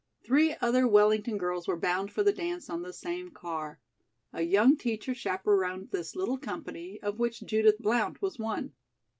Three other Wellington girls were bound for the dance on the same car. A young teacher chaperoned this little company, of which Judith Blount was one.